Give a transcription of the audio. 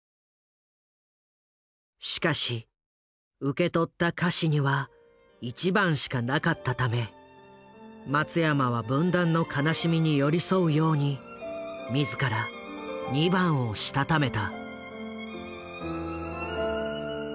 しかし受け取った歌詞には１番しかなかったため松山は分断の悲しみに寄り添うように自ら２番をしたためた。